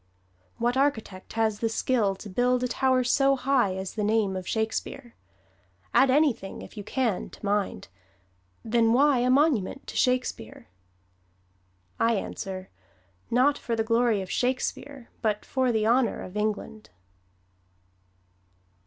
What architect has the skill to build a tower so high as the name of Shakespeare? Add anything if you can to mind! Then why a monument to Shakespeare? I answer, not for the glory of Shakespeare, but for the honor of England!